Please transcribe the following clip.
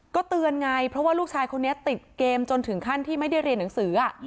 ก็เตือนไงเพราะว่าลูกชายคนนี้ติดเกมจนถึงขั้นที่ไม่ได้เรียนหนังสือ